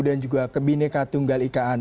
juga kebineka tunggal ikaan